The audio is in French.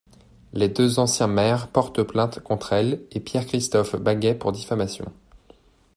Les deux anciens maires portent plainte contre elle et Pierre-Christophe Baguet pour diffamation.